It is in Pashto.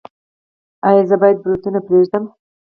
ایا زه باید بروتونه پریږدم؟